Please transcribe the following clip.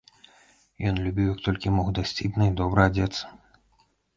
Ён любіў як толькі мог дасціпна і добра адзецца.